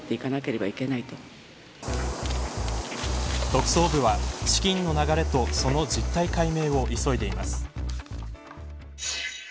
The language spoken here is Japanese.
特捜部は資金の流れとその実態解明を急いでいます。